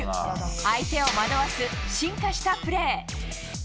相手を惑わす進化したプレー。